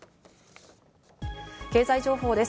経済情報です。